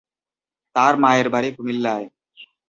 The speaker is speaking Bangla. তার মায়ের বাড়ি কুমিল্লায়।